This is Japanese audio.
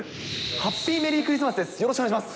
ハッピーメリークリスマスです。